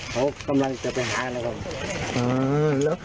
เขากำลังจะไปหาแล้วค่ะอือ